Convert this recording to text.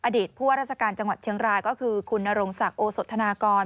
ผู้ว่าราชการจังหวัดเชียงรายก็คือคุณนรงศักดิ์โอสธนากร